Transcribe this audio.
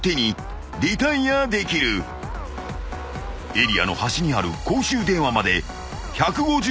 ［エリアの端にある公衆電話まで１５０ｍ］